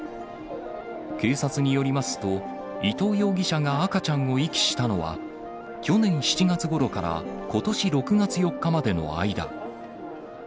警察によりますと、伊藤容疑者が赤ちゃんを遺棄したのは、去年７月ごろからことし６月４日までの間。